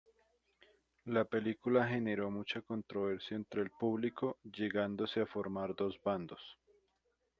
La película generó mucha controversia entre el público, llegándose a formar dos bandos.